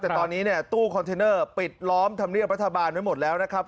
แต่ตอนนี้เนี่ยตู้คอนเทนเนอร์ปิดล้อมธรรมเนียบรัฐบาลไว้หมดแล้วนะครับ